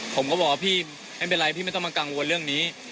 ผมก็บอกว่าพี่ไม่เป็นไรพี่ไม่ต้องมากังวลเรื่องนี้